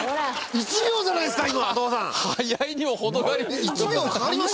１秒じゃないっすか今。